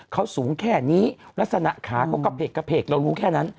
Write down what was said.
เขาสูงแค่นี้ลักษณะขาเขากระเพกเรารู้แค่นั้น